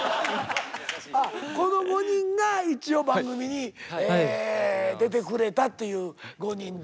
この５人が一応番組に出てくれたっていう５人で。